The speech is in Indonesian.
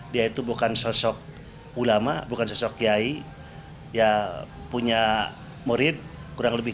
dia itu bukan sosok ulama bukan sosok kiai punya murid kurang lebih tiga puluh empat